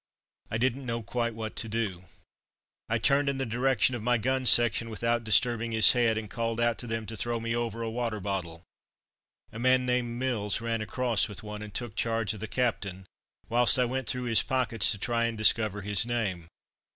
I didn't know quite what to do. I turned in the direction of my gun section without disturbing his head, and called out to them to throw me over a water bottle. A man named Mills ran across with one, and took charge of the captain, whilst I went through his pockets to try and discover his name.